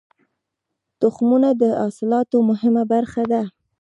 تخمونه د حاصلاتو مهمه برخه ده.